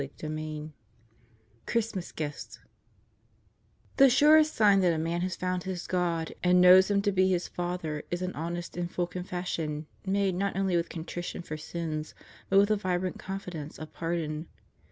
CHAPTER TEN Christmas Gifts THE surest sign that a man has found his God and knows Him to be his Father is an honest and full confession made not only with contrition for sins but with a vibrant confidence of pardon.